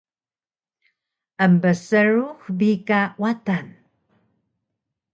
embsrux bi ka Watan